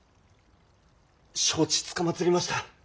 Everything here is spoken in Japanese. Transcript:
承知つかまつりました。